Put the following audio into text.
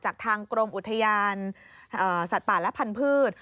ทางกรมอุทยานสัตว์ป่าและพันธุ์